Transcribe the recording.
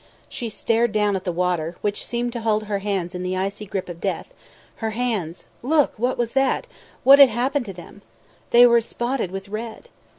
She stared down at the water, which seemed to hold her hands in the icy grip of death her hands look! what was that? what had happened to them? They were spotted with red!